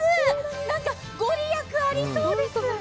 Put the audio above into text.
なんか御利益、ありそうです！